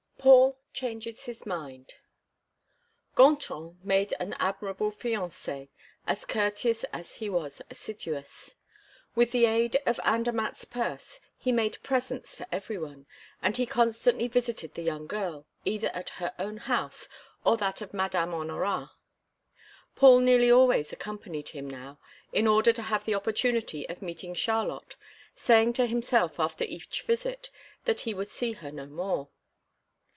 Paul Changes His Mind Gontran made an admirable fiancé, as courteous as he was assiduous. With the aid of Andermatt's purse, he made presents to everyone; and he constantly visited the young girl, either at her own house, or that of Madame Honorat. Paul nearly always accompanied him now, in order to have the opportunity of meeting Charlotte, saying to himself, after each visit, that he would see her no more.